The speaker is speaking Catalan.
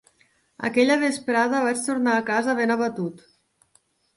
Aquella vesprada vaig tornar a casa ben abatut.